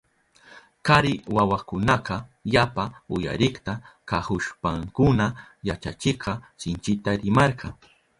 Kari wawakunaka yapa uyarikta kahushpankuna yachachikka sinchita rimarka.